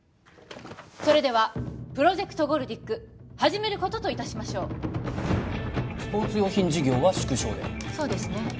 それではプロジェクトゴルディック始めることといたしましょうスポーツ用品事業は縮小でそうですね